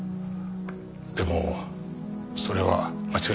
でもそれは間違いでした。